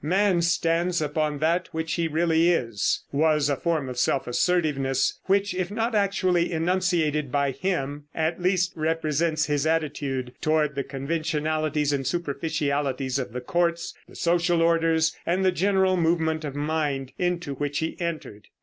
"Man stands upon that which he really is," was a form of self assertiveness, which, if not actually enunciated by him, at least represents his attitude toward the conventionalities and superficialities of the courts, the social orders, and the general movement of mind into which he entered.